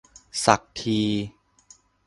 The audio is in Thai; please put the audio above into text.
สักที